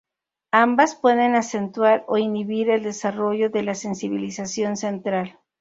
Ambas pueden acentuar o inhibir el desarrollo de la sensibilización central.